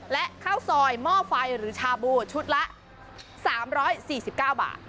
และข้าวซอยหม้อไฟหรือชาบูชุดละ๓๔๙บาท